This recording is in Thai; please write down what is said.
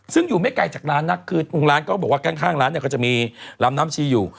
ซึ่งอยู่ไม่ไกลจากร้านนักคือองค์ร้านก็บอกว่าข้างร้านเนี่ยก็จะมีลำน้ำชีอยู่